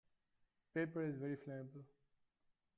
Paper is very flammable.